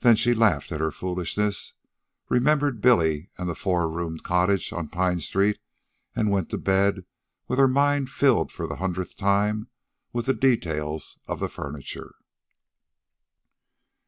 Then she laughed at her foolishness, remembered Billy and the four roomed cottage on Pine Street, and went to bed with her mind filled for the hundredth time with the details of the furniture.